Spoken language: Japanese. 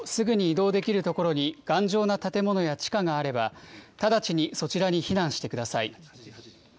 屋内にいる場合でも、すぐに移動できる所に頑丈な建物や地下があれば、直ちにそちらに避難してください。